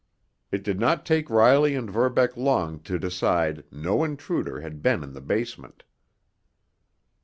It did not take Riley and Verbeck long to decide no intruder had been in the basement.